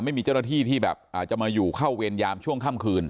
ไม่มีเจ้าหน้าที่ที่แบบอาจจะมาอยู่เข้าเวรยามช่วงค่ำคืน